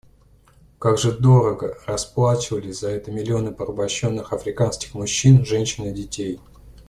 Как же дорого расплачивались за это миллионы порабощенных африканских мужчин, женщин и детей!